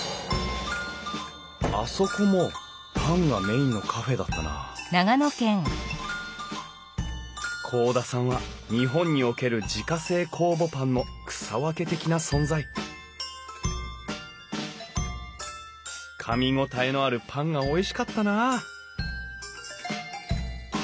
あそこもパンがメインのカフェだったな甲田さんは日本における自家製酵母パンの草分け的な存在かみ応えのあるパンがおいしかったなあ